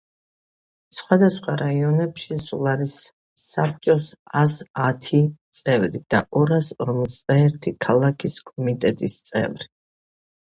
სხვადასხვა რაიონებში სულ არის საბჭოს ას ათი წევრი და ორას ოთხმოცდაერთი ქალაქის კომიტეტის წევრი.